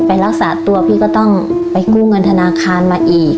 รักษาตัวพี่ก็ต้องไปกู้เงินธนาคารมาอีก